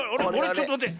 ちょっとまって。